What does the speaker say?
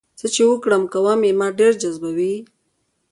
څه چې وکړم کوم یې ما ډېر جذبوي؟